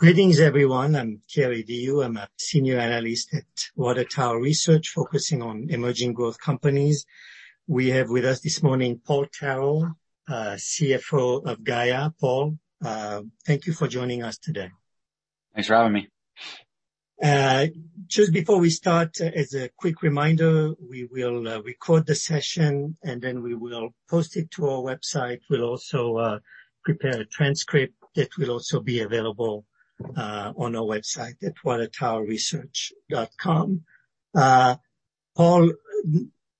Greetings, everyone. I'm Kerry Diehl. I'm a Senior Analyst at Water Tower Research, focusing on emerging growth companies. We have with us this morning Paul Tarell, CFO of Gaia. Paul, thank you for joining us today. Thanks for having me. Just before we start, as a quick reminder, we will record the session and then we will post it to our website. We'll also prepare a transcript that will also be available on our website at watertowerresearch.com. Paul,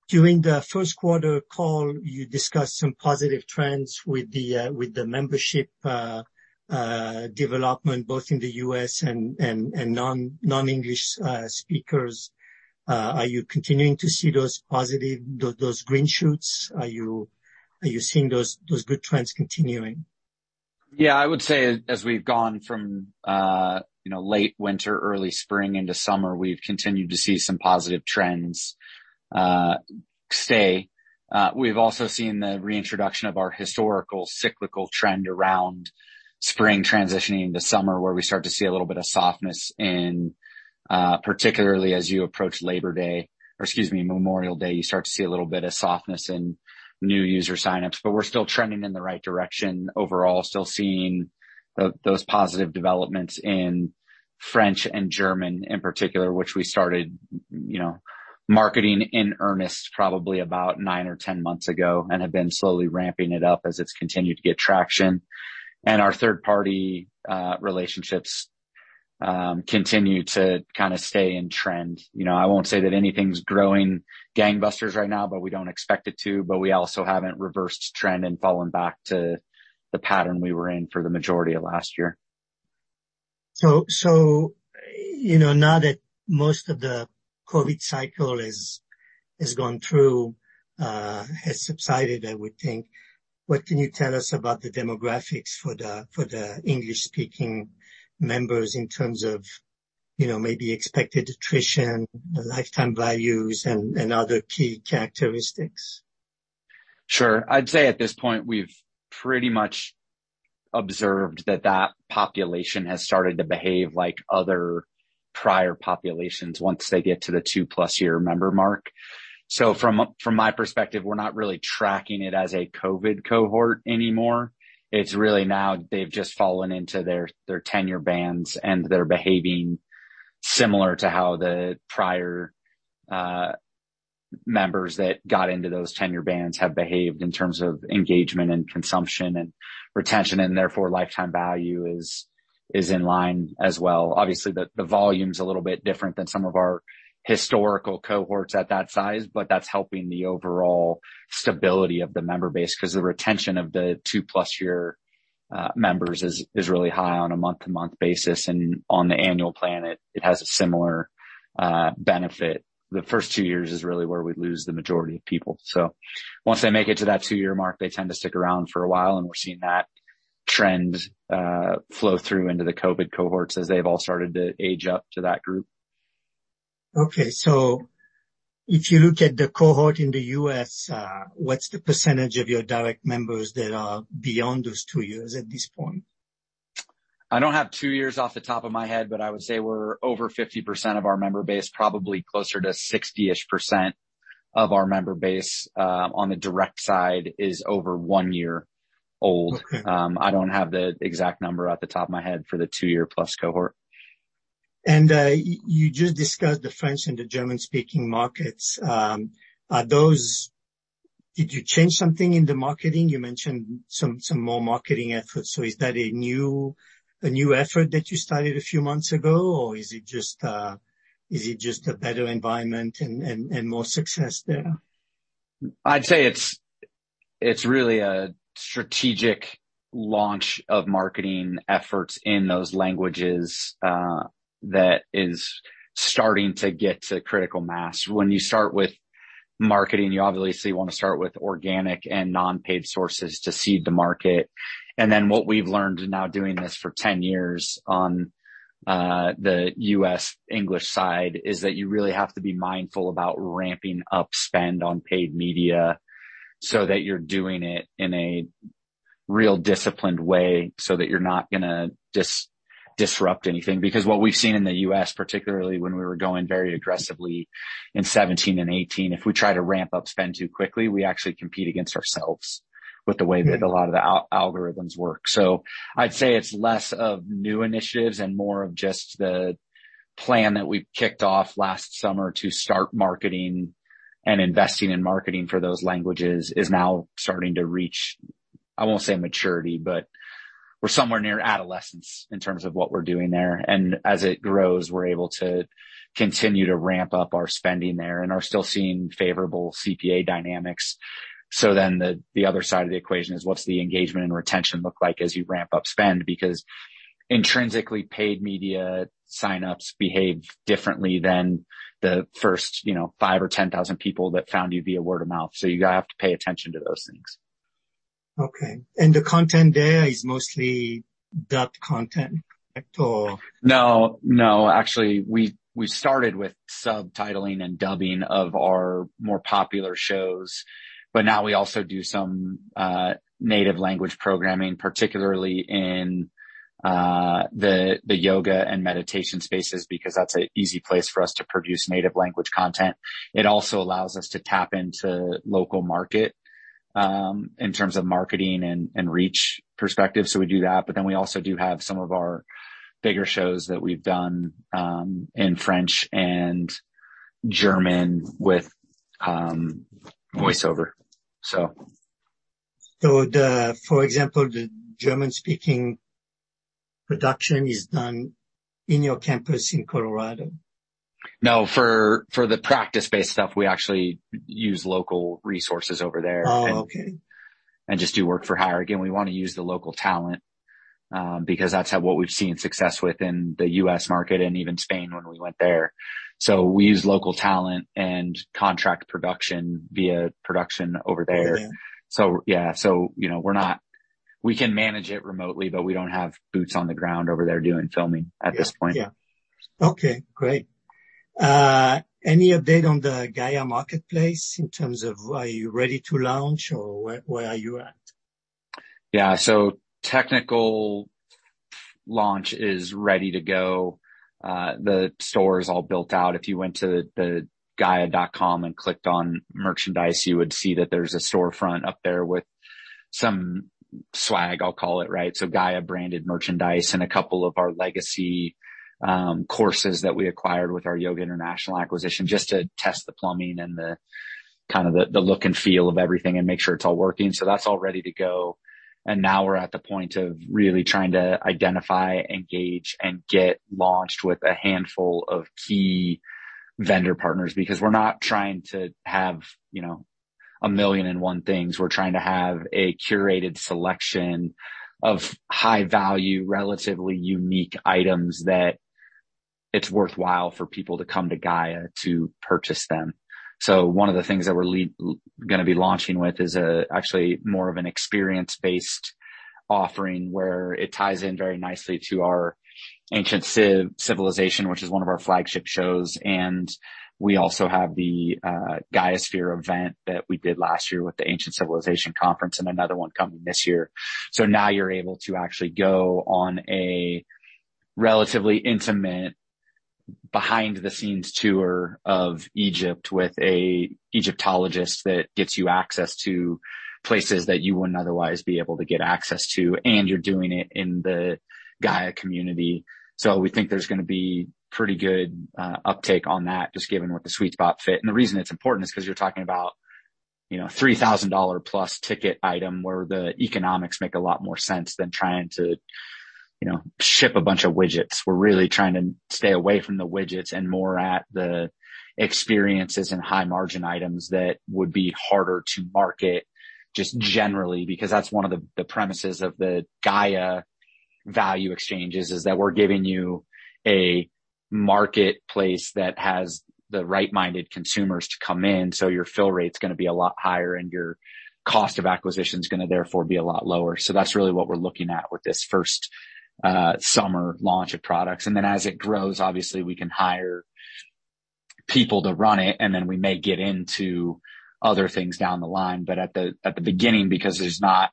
during the 1st quarter call, you discussed some positive trends with the membership development, both in the U.S. and non-English speakers. Are you continuing to see those positive green shoots? Are you seeing those good trends continuing? Yeah, I would say as we've gone from, you know, late winter, early spring into summer, we've continued to see some positive trends stay. We've also seen the reintroduction of our historical cyclical trend around spring transitioning into summer, where we start to see a little bit of softness in particularly as you approach Labor Day, or excuse me, Memorial Day, you start to see a little bit of softness in new user signups. We're still trending in the right direction overall, still seeing those positive developments in French and German in particular, which we started, you know, marketing in earnest probably about 9 or 10 months ago and have been slowly ramping it up as it's continued to get traction. Our third-party relationships continue to kind of stay in trend. You know, I won't say that anything's growing gangbusters right now, but we don't expect it to, but we also haven't reversed trend and fallen back to the pattern we were in for the majority of last year. you know, now that most of the COVID cycle has gone through, has subsided, I would think, what can you tell us about the demographics for the English-speaking members in terms of, you know, maybe expected attrition, the lifetime values, and other key characteristics? Sure. I'd say at this point, we've pretty much observed that that population has started to behave like other prior populations once they get to the two-plus year member mark. From my perspective, we're not really tracking it as a COVID cohort anymore. It's really now they've just fallen into their tenure bands, and they're behaving similar to how the prior members that got into those tenure bands have behaved in terms of engagement and consumption and retention, and therefore, lifetime value is in line as well. Obviously, the volume's a little bit different than some of our historical cohorts at that size, but that's helping the overall stability of the member base, 'cause the retention of the two-plus year members is really high on a month-to-month basis, and on the annual plan, it has a similar benefit. The first 2 years is really where we lose the majority of people. Once they make it to that 2-year mark, they tend to stick around for a while, and we're seeing that trend flow through into the COVID cohorts as they've all started to age up to that group. If you look at the cohort in the U.S., what's the percentage of your direct members that are beyond those 2 years at this point? I don't have 2 years off the top of my head, but I would say we're over 50% of our member base, probably closer to 60-ish% of our member base, on the direct side, is over 1 year old. Okay. I don't have the exact number off the top of my head for the 2-year-plus cohort. You just discussed the French and the German-speaking markets. Did you change something in the marketing? You mentioned some more marketing efforts. Is that a new effort that you started a few months ago, or is it just a better environment and more success there? I'd say it's really a strategic launch of marketing efforts in those languages that is starting to get to critical mass. When you start with marketing, you obviously want to start with organic and non-paid sources to seed the market. What we've learned now, doing this for 10 years on the U.S. English side, is that you really have to be mindful about ramping up spend on paid media so that you're doing it in a real disciplined way, so that you're not gonna disrupt anything. What we've seen in the U.S., particularly when we were going very aggressively in 17 and 18, if we try to ramp up spend too quickly, we actually compete against ourselves with the way that a lot of the algorithms work. I'd say it's less of new initiatives and more of just the plan that we've kicked off last summer to start marketing and investing in marketing for those languages, is now starting to reach, I won't say maturity, but we're somewhere near adolescence in terms of what we're doing there. As it grows, we're able to continue to ramp up our spending there and are still seeing favorable CPA dynamics. The, the other side of the equation is, what's the engagement and retention look like as you ramp up spend? Because intrinsically, paid media signups behave differently than the first, you know, 5 or 10,000 people that found you via word of mouth. You're gonna have to pay attention to those things. ... Okay. The content there is mostly dubbed content, correct, or? No, actually, we started with subtitling and dubbing of our more popular shows. Now we also do some native language programming, particularly in the yoga and meditation spaces, because that's an easy place for us to produce native language content. It also allows us to tap into local market in terms of marketing and reach perspective, so we do that. Then we also do have some of our bigger shows that we've done in French and German with voiceover, so. For example, the German-speaking production is done in your campus in Colorado? No, for the practice-based stuff, we actually use local resources over there. Oh, okay. just do work for hire. Again, we wanna use the local talent, because what we've seen success with in the U.S. market and even Spain when we went there. We use local talent and contract production via production over there. Okay. Yeah, you know, we're not. We can manage it remotely, but we don't have boots on the ground over there doing filming at this point. Yeah. Okay, great. Any update on the Gaia Marketplace in terms of are you ready to launch or where are you at? Technical launch is ready to go. The store is all built out. If you went to the gaia.com and clicked on Merchandise, you would see that there's a storefront up there with some swag, I'll call it, right? Gaia-branded merchandise and a couple of our legacy courses that we acquired with our Yoga International acquisition, just to test the plumbing and the kind of the look and feel of everything and make sure it's all working. That's all ready to go. Now we're at the point of really trying to identify, engage, and get launched with a handful of key vendor partners, because we're not trying to have, you know, a million and one things. We're trying to have a curated selection of high value, relatively unique items that it's worthwhile for people to come to Gaia to purchase them. One of the things that we're gonna be launching with is actually more of an experience-based offering, where it ties in very nicely to our Ancient Civilizations, which is one of our flagship shows. We also have the GaiaSphere event that we did last year with the Ancient Civilizations Conference and another one coming this year. Now you're able to actually go on a relatively intimate behind-the-scenes tour of Egypt with a Egyptologist that gets you access to places that you wouldn't otherwise be able to get access to, and you're doing it in the Gaia community. We think there's gonna be pretty good uptake on that, just given what the sweet spot fit. The reason it's important is 'cause you're talking about, you know, $3,000 plus ticket item, where the economics make a lot more sense than trying to, you know, ship a bunch of widgets. We're really trying to stay away from the widgets and more at the experiences and high-margin items that would be harder to market just generally, because that's one of the premises of the Gaia value exchanges, is that we're giving you a Marketplace that has the right-minded consumers to come in, so your fill rate's gonna be a lot higher and your cost of acquisition is gonna, therefore, be a lot lower. That's really what we're looking at with this first summer launch of products. Then as it grows, obviously, we can hire people to run it, then we may get into other things down the line. At the beginning, because there's not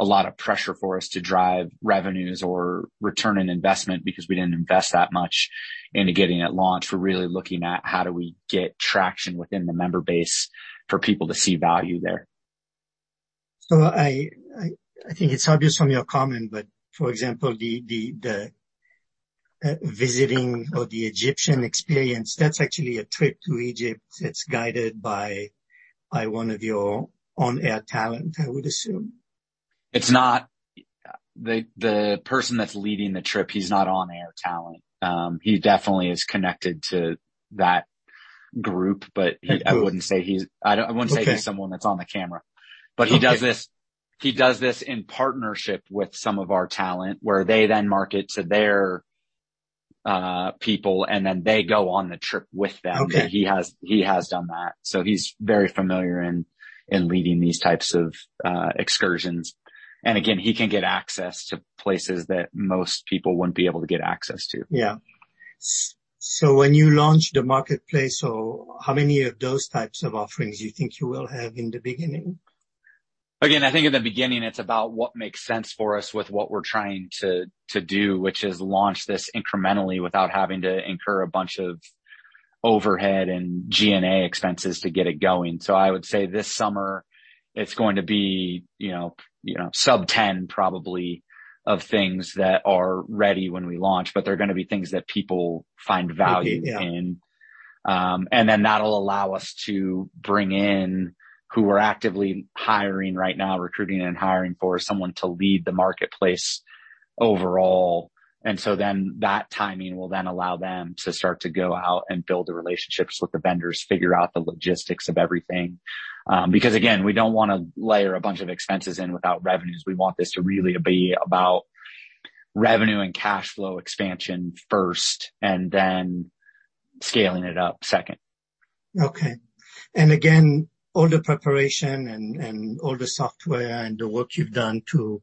a lot of pressure for us to drive revenues or return on investment because we didn't invest that much into getting it launched, we're really looking at how do we get traction within the member base for people to see value there. I think it's obvious from your comment, but for example, the visiting or the Egyptian experience, that's actually a trip to Egypt that's guided by one of your on-air talent, I would assume? The person that's leading the trip, he's not on-air talent. He definitely is connected to that group. Okay. I wouldn't say he's someone that's on the camera. Okay. He does this, he does this in partnership with some of our talent, where they then market to their people, and then they go on the trip with them. Okay. He has done that, so he's very familiar in leading these types of excursions. Again, he can get access to places that most people wouldn't be able to get access to. Yeah. So when you launch the marketplace, how many of those types of offerings do you think you will have in the beginning? I think in the beginning, it's about what makes sense for us with what we're trying to do, which is launch this incrementally without having to incur a bunch of overhead and G&A expenses to get it going. I would say this summer it's going to be, you know, subten probably, of things that are ready when we launch, but they're gonna be things that people find value in. Okay, yeah. That'll allow us to bring in, who we're actively hiring right now, recruiting and hiring for, someone to lead the marketplace overall. That timing will then allow them to start to go out and build the relationships with the vendors, figure out the logistics of everything. Because, again, we don't wanna layer a bunch of expenses in without revenues. We want this to really be about revenue and cash flow expansion first, and then scaling it up second. Okay. Again, all the preparation and all the software and the work you've done to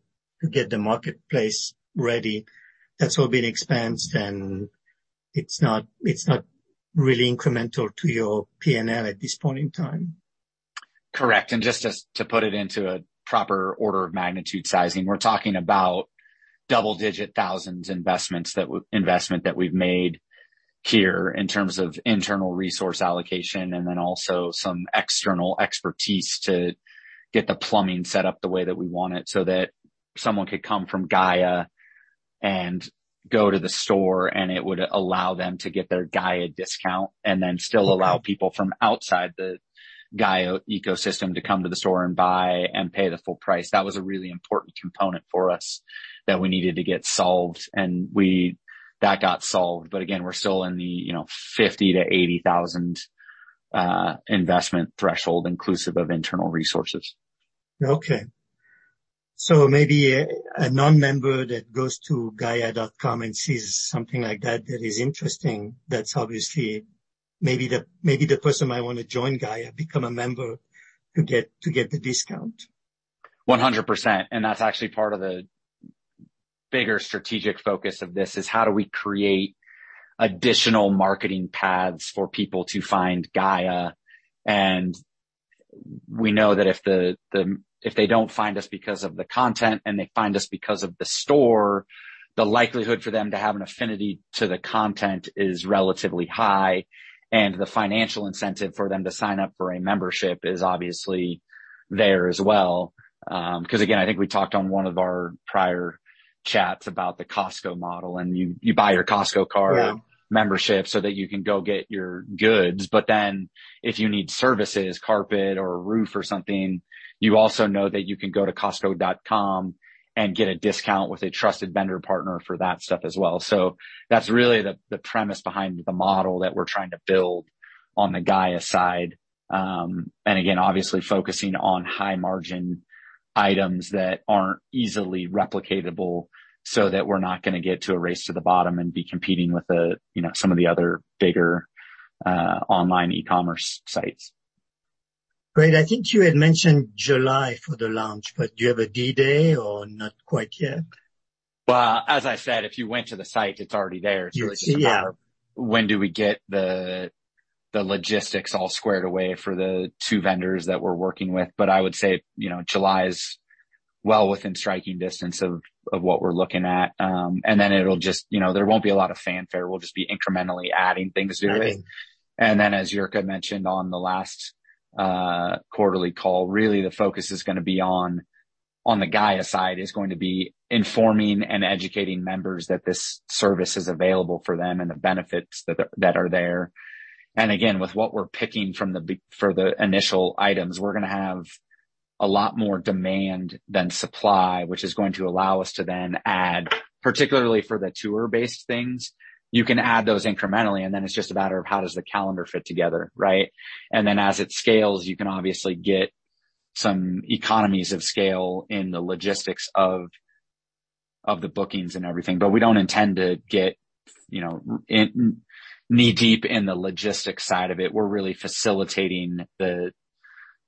get the Gaia Marketplace ready, that's all been expensed, and it's not really incremental to your PNL at this point in time? Correct. Just to put it into a proper order of magnitude sizing, we're talking about double-digit thousands investment that we've made here, in terms of internal resource allocation, and then also some external expertise to get the plumbing set up the way that we want it, so that someone could come from Gaia and go to the store, and it would allow them to get their Gaia discount, and then still allow people from outside the Gaia ecosystem to come to the store and buy and pay the full price. That was a really important component for us that we needed to get solved. That got solved. Again, we're still in the, you know, $50,000-$80,000 investment threshold, inclusive of internal resources. Okay. Maybe a non-member that goes to gaia.com and sees something like that is interesting. That's obviously maybe the person might want to join Gaia, become a member, to get the discount. 100%, That's actually part of the bigger strategic focus of this, is how do we create additional marketing paths for people to find Gaia? We know that if the, if they don't find us because of the content, and they find us because of the store, the likelihood for them to have an affinity to the content is relatively high, and the financial incentive for them to sign up for a membership is obviously there as well. 'Cause again, I think we talked on one of our prior chats about the Costco model, and you buy your Costco card- Yeah membership so that you can go get your goods. If you need services, carpet or a roof or something, you also know that you can go to costco.com and get a discount with a trusted vendor partner for that stuff as well. That's really the premise behind the model that we're trying to build on the Gaia side. Again, obviously focusing on high-margin items that aren't easily replicatable, so that we're not gonna get to a race to the bottom and be competing with the, you know, some of the other bigger online e-commerce sites. Great. I think you had mentioned July for the launch, but do you have a D-day or not quite yet? Well, as I said, if you went to the site, it's already there. You will see, yeah. When do we get the logistics all squared away for the 2 vendors that we're working with? I would say, you know, July is well within striking distance of what we're looking at. You know, there won't be a lot of fanfare. We'll just be incrementally adding things to it. Right. Then, as Jirka mentioned on the last quarterly call, really, the focus is gonna be on the Gaia side, is going to be informing and educating members that this service is available for them and the benefits that are there. Again, with what we're picking from for the initial items, we're gonna have a lot more demand than supply, which is going to allow us to then add, particularly for the tour-based things, you can add those incrementally, and then it's just a matter of how does the calendar fit together, right? Then, as it scales, you can obviously get some economies of scale in the logistics of the bookings and everything. We don't intend to get, you know, knee-deep in the logistics side of it. We're really facilitating the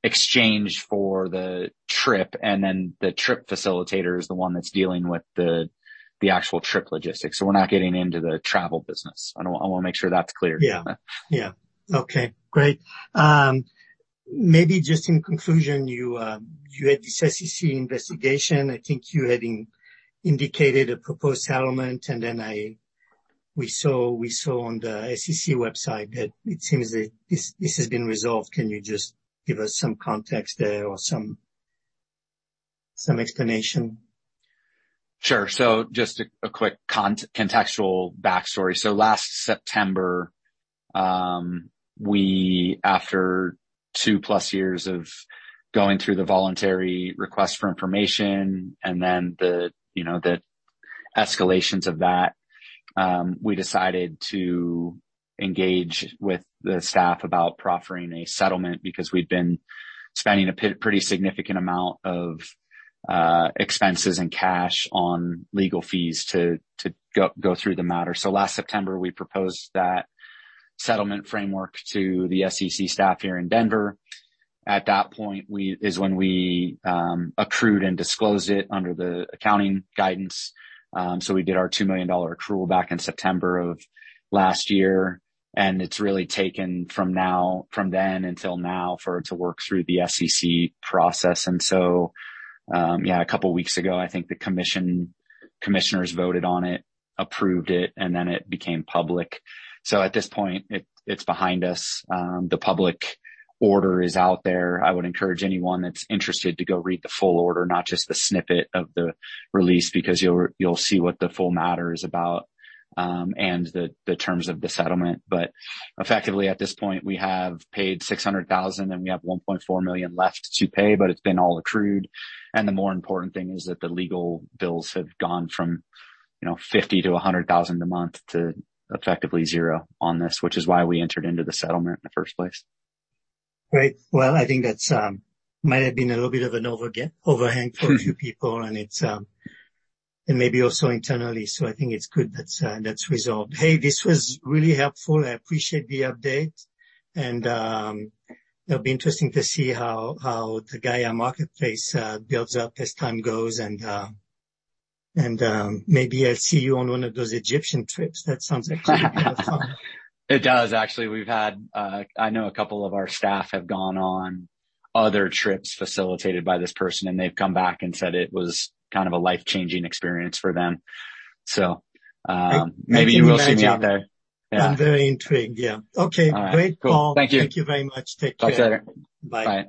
exchange for the trip, and then the trip facilitator is the one that's dealing with the actual trip logistics. We're not getting into the travel business. I want to make sure that's clear. Yeah. Yeah. Okay, great. Maybe just in conclusion, you had this SEC investigation. I think you had indicated a proposed settlement, and then I, we saw on the SEC website that it seems that this has been resolved. Can you just give us some context there or some explanation? Sure. Just a quick contextual backstory. Last September, we, after 2-plus years of going through the voluntary request for information and then you know, the escalations of that, we decided to engage with the staff about proffering a settlement because we'd been spending a pretty significant amount of expenses and cash on legal fees to go through the matter. Last September, we proposed that settlement framework to the SEC staff here in Denver. At that point, we accrued and disclosed it under the accounting guidance. We did our $2 million accrual back in September of last year, and it's really taken from then until now for it to work through the SEC process. Yeah, a couple of weeks ago, I think the commissioners voted on it, approved it, and then it became public. At this point, it's behind us. The public order is out there. I would encourage anyone that's interested to go read the full order, not just the snippet of the release, because you'll see what the full matter is about and the terms of the settlement. Effectively, at this point, we have paid $600,000, and we have $1.4 million left to pay, but it's been all accrued. The more important thing is that the legal bills have gone from, you know, $50,000-$100,000 a month to effectively zero on this, which is why we entered into the settlement in the first place. Great. Well, I think that's might have been a little bit of an overhang for a few people, and it's... Maybe also internally, so I think it's good that that's resolved. Hey, this was really helpful. I appreciate the update, and it'll be interesting to see how the Gaia Marketplace builds up as time goes. Maybe I'll see you on one of those Egyptian trips. That sounds like fun. It does. Actually, we've had, I know a couple of our staff have gone on other trips facilitated by this person, and they've come back and said it was kind of a life-changing experience for them. Maybe you will see me out there. I'm very intrigued. Yeah. Okay. All right. Great call. Thank you. Thank you very much. Take care. Talk sooner. Bye.